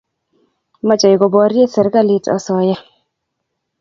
mache koparie serikalit asoya